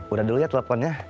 udah dulu ya teleponnya